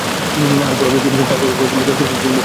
আর পরাভক্তি বা পরব্রহ্মস্বরূপকে দর্শনই হচ্ছে মুখ্য উদ্দেশ্য।